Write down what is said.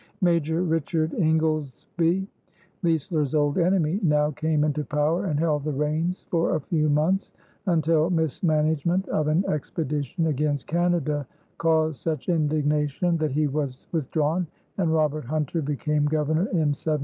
Major Richard Ingoldesby, Leisler's old enemy, now came into power and held the reins for a few months, until mismanagement of an expedition against Canada caused such indignation that he was withdrawn and Robert Hunter became Governor in 1710.